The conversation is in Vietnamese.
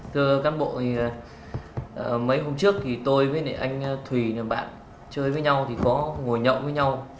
thưa cán bộ mấy hôm trước tôi với anh thùy bạn chơi với nhau có ngồi nhậu với nhau